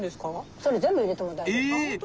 それ全部入れても大丈夫。